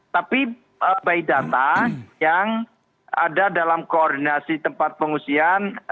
tapi by data yang ada dalam koordinasi tempat pengungsian